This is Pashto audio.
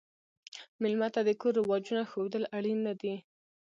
مېلمه ته د کور رواجونه ښودل اړین نه دي.